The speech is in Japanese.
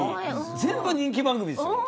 全部、人気番組ですよね。